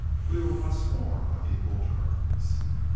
We were once more on equal terms.